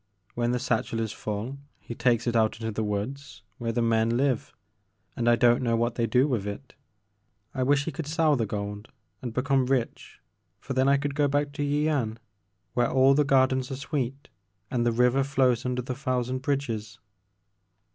When the satchel is full he takes it out into the woods where the men live and I don't know what they do with it. I wish he could sell the gold and become rich for then I could go back to Yian where all the gardens are sweet and the river flows under the thousand bridges."